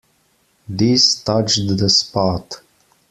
This touched the spot.